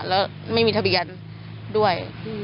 แล้วไม่มีทะเบียนด้วย